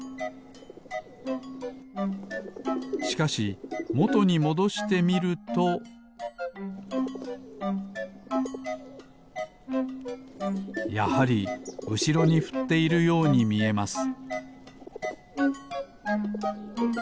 しかしもとにもどしてみるとやはりうしろにふっているようにみえます